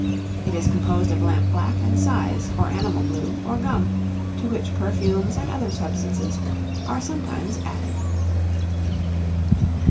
It is composed of lamp black and size, or animal glue, or gum, to which perfumes and other substances are sometimes added.